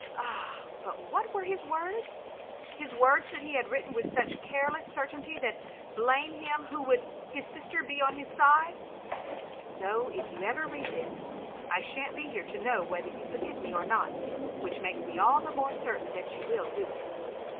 Ah, but what were his words ?— ^his words that he had written with such careless certainty that, blame him who would, his sister would be on his side: ''So if you ever read this. ... I shan't be here to know whether you forgive me or not, which makes me all the more certain that you will do it.